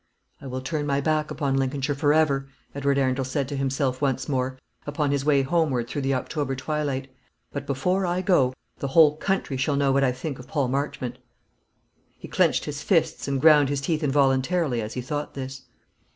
"I will turn my back upon Lincolnshire for ever," Edward Arundel said to himself once more, upon his way homeward through the October twilight; "but before I go, the whole country shall know what I think of Paul Marchmont." He clenched his fists and ground his teeth involuntarily as he thought this.